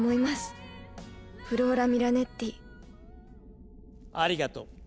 フローラ・ミラネッティありがとう。